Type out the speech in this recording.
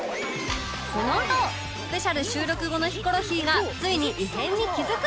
このあとスペシャル収録後のヒコロヒーがついに異変に気付く！